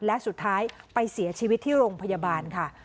และสุดท้ายไปเสียชีวิตที่โรงพยาบาลค่ะ